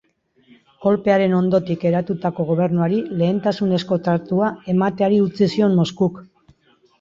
Kolpearen ondotik eratutako gobernuari lehentasunezko tratua emateari utzi zion Moskuk.